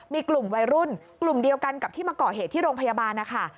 มีกลุ่มวัยรุ่นกลุ่มเดียวกันกับที่มาก่อเหตุที่โรงพยาบาลนะคะ